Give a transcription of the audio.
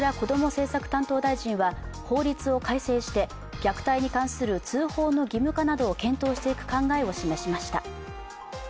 政策担当大臣は法律を改正して虐待に関する通報の義務化などを検討していく考えを示しました。